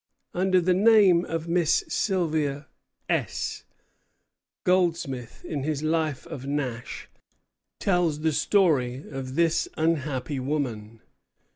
'" Under the name of Miss Sylvia S , Goldsmith, in his life of Nash, tells the story of this unhappy woman.